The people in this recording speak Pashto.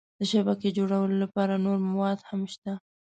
د شبکې جوړولو لپاره نور مواد هم شته.